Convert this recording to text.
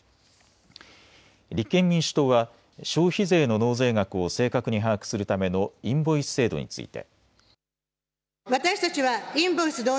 立憲民主党は消費税の納税額を正確に把握するためのインボイス制度について。